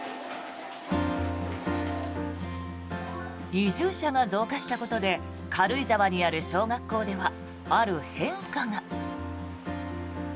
移住者が増加したことで軽井沢にある小学校ではある変化が。